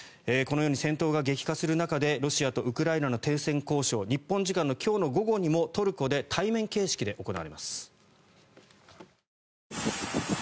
このように戦闘が激化する中でロシアとウクライナの停戦交渉日本時間の今日の午後にもトルコで対面形式で行われます。